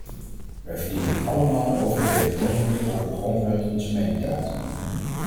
Wij verdienen het allemaal over het referendum over de grondwet onze mening te uiten.